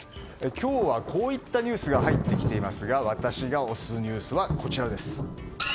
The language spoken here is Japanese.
今日はこういったニュースが入ってきていますが私が推すニュースはこちら。